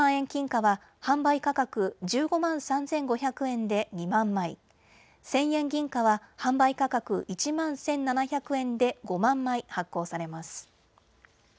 金貨は販売価格１５万３５００円で２万枚、１０００円銀貨は販売価格１万１７００円で５万枚発行されます。